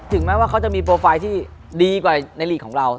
แม้ว่าเขาจะมีโปรไฟล์ที่ดีกว่าในลีกของเรา